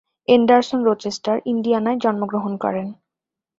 Anderson Rochester, ইন্ডিয়ানায় জন্মগ্রহণ করেন।